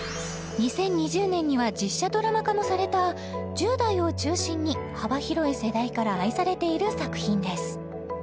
２０２０年には実写ドラマ化もされた１０代を中心に幅広い世代から愛されている作品です